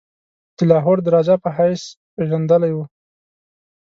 د لاهور د راجا په حیث پيژندلی وو.